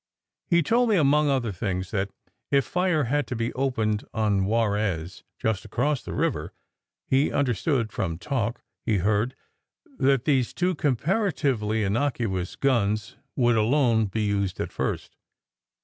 He told me among other things, that if fire had to be opened on Juarez, just across the river, he understood from talk he heard that these two comparatively innocuous guns would alone be used at first.